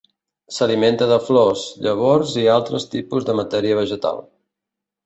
S'alimenta de flors, llavors i altres tipus de matèria vegetal.